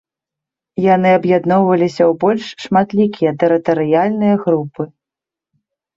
Яны аб'ядноўваліся ў больш шматлікія тэрытарыяльныя групы.